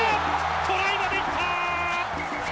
トライまで行った！